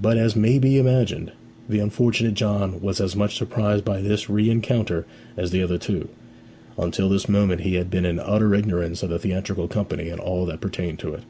But, as may be imagined, the unfortunate John was as much surprised by this rencounter as the other two. Until this moment he had been in utter ignorance of the theatrical company and all that pertained to it.